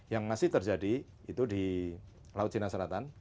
yang masih terjadi itu di laut cina selatan